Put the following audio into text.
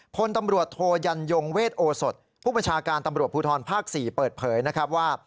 พลตำรวจโทยันยงเวทโอสดผู้บัญชาการตำรวจภูทรภาค๔เปิดเผยนะครับว่า